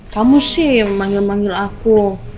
kamu sih yang manggil manggil aku